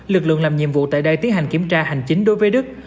lực lượng làm nhiệm vụ tại đây tiến hành kiểm tra hành chính đối với đức